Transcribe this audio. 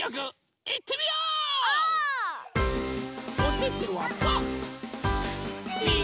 おててはパー。